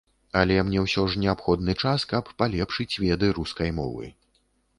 Але мне ўсё ж неабходны час, каб палепшыць веды рускай мовы.